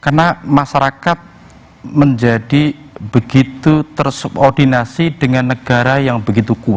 karena masyarakat menjadi begitu tersobordinasi dengan negara yang begitu kuat